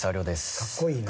かっこいいな。